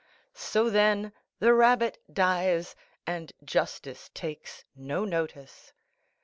So, then, the rabbit dies, and justice takes no notice.